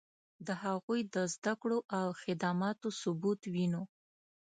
د هغوی د زدکړو او خدماتو ثبوت وینو.